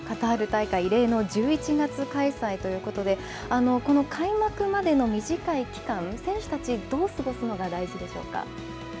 カタール大会、異例の１１月開催ということで、この開幕までの短い期間、選手たち、どう過ごすのが、大事でしょうか。